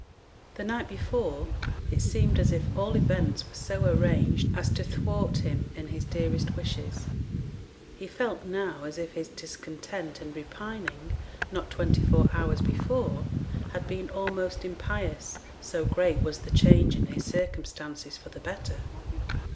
The night before it seemed as if all events were so arranged as to thwart him in his dearest wishes; he felt now as if his discontent and repining, not twenty four hours before, had been almost impious, so great was the change in his circumstances for the better.